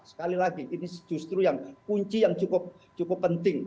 sekali lagi ini justru yang kunci yang cukup penting